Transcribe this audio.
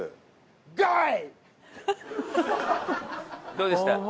どうでした？